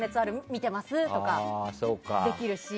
見てます！とかできるし。